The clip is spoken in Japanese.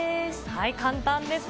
簡単です。